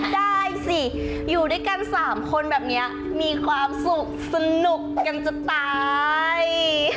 ได้สิอยู่ด้วยกัน๓คนแบบนี้มีความสุขสนุกกันจะตาย